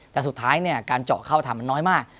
แต่สุดท้ายเนี่ยการเจาะเข้าทำมันน้อยมาก